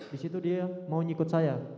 di situ dia mau ngikut saya